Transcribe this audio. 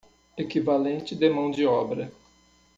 Equivalente de mão de obra